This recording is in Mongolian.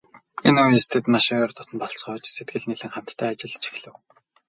Энэ үеэс тэд маш ойр дотно болцгоож, сэтгэл нийлэн хамтдаа ажиллаж эхлэв.